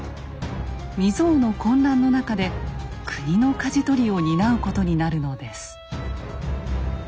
未曽有の混乱の中で国のかじ取りを担うことになるのです。